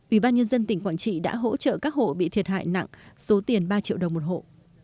ủy ban nhân dân tỉnh quảng trị đã hỗ trợ các hộ bị thiệt hại nặng số tiền ba triệu đồng một hộ